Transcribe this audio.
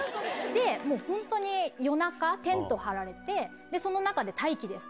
で、本当に夜中、テント張られて、その中で待機です。